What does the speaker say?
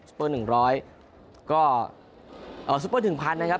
ซุปเปอร์หนึ่งร้อยก็เอ่อซุปเปอร์หนึ่งพันนะครับ